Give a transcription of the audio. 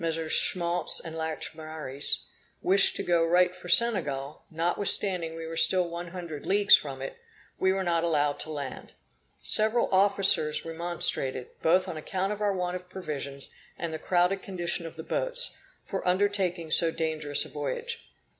Schmaltz and Lachaumareys) wished to go right for Senegal, notwithstanding we were still one hundred leagues from it, we were not allowed to land. Several officers remonstrated, both on account of our want of provisions and the crowded condition of the boats, for undertaking so dangerous a voyage.